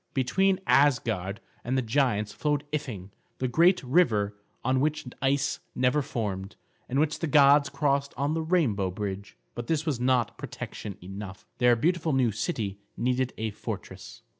Between Asgard and the giants flowed Ifing, the great river on which ice never formed, and which the gods crossed on the rainbow bridge. But this was not protection enough. Their beautiful new city needed a fortress.